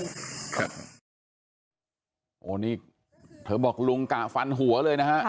โอ้โหนี่เธอบอกลุงกะฟันหัวเลยนะฮะ